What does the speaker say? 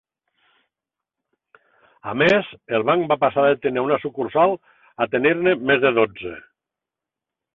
A més, el banc va passar de tenir una sucursal a tenir-ne més de dotze.